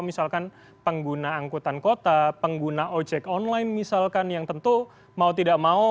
misalkan pengguna angkutan kota pengguna ojek online misalkan yang tentu mau tidak mau